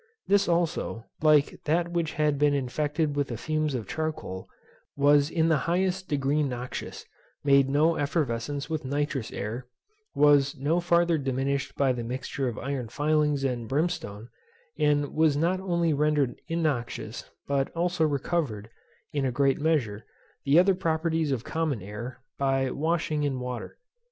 This air also, like that which had been infected with the fumes of charcoal, was in the highest degree noxious, made no effervescence with nitrous air, was no farther diminished by the mixture of iron filings and brimstone, and was not only rendered innoxious, but also recovered, in a great measure, the other properties of common air, by washing in water.